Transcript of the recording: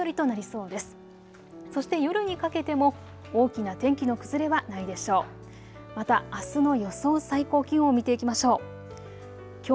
そして夜にかけても大きな天気の崩れはないでしょう。